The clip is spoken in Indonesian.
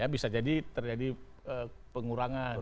bisa jadi terjadi pengurangan